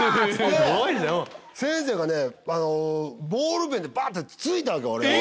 先生がねボールペンでバッ！てつついたわけ俺を。